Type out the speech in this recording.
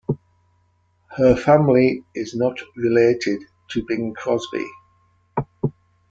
Her family is not related to Bing Crosby.